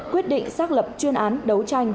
quyết định xác lập chuyên án đấu tranh